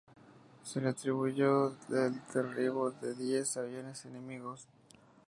Se le atribuyó el derribo de diez aviones enemigos.